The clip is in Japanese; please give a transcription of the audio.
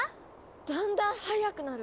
だんだん速くなると。